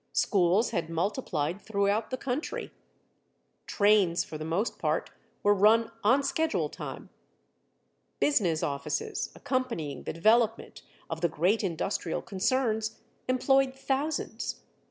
Schools had multiplied throughout the country. Trains, for the most part, were run on schedule time. Business offices, accompanying the development of the great industrial concerns, employed thousands.